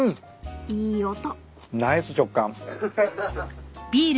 ［いい音］ナイス食感。